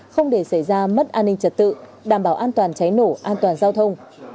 không để xảy ra mất an ninh trật tự đảm bảo an toàn cháy nổ an toàn giao thông